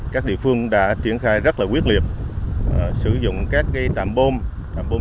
các địa phương đã triển khai rất là quyết liệp sử dụng các tạm bôm